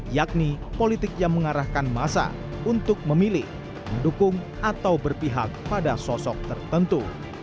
yakni politik yang mengarahkan masa untuk memilih mendukung atau berpihak pada sosok tertentu